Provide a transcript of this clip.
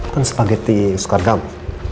kan spageti suka kamu